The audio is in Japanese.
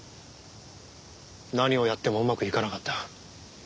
何をやってもうまくいかなかった。